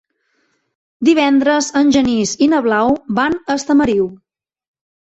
Divendres en Genís i na Blau van a Estamariu.